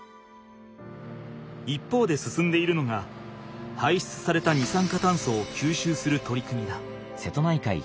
一方で進んでいるのが排出された二酸化炭素を吸収する取り組みだ。